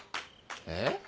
えっ？